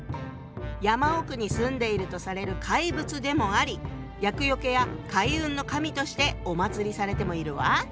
山奥に住んでいるとされる怪物でもあり厄よけや開運の神としてお祭りされてもいるわ。